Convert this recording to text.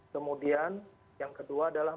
kemudian yang kedua adalah